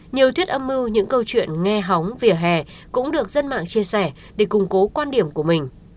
nhiều thuyết âm mưu những câu chuyện nghe hóng vỉa hè cũng được dân mạng chia sẻ để củng cố quan điểm của mình